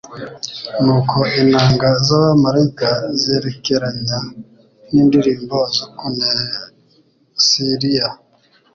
Nuko inanga z'abamaraika ziherekeranya n'indirimo zo kuneslia :